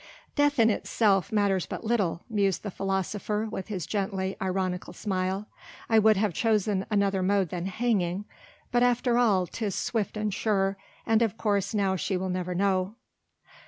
"Death in itself matters but little," mused the philosopher with his gently ironical smile. "I would have chosen another mode than hanging ... but after all 'tis swift and sure; and of course now she will never know."